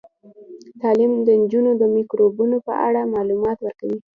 تعلیم نجونو ته د میکروبونو په اړه معلومات ورکوي.